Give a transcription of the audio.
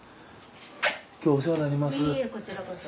今日お世話になります。